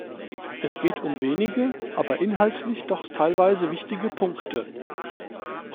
Es geht um wenige, aber inhaltlich doch teilweise wichtige Punkte.